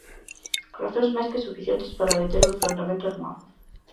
Razóns máis que suficientes para deter o enfrontamento armado.